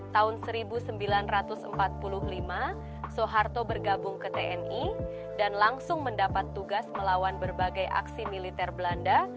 tahun seribu sembilan ratus empat puluh lima soeharto bergabung ke tni dan langsung mendapat tugas melawan berbagai aksi militer belanda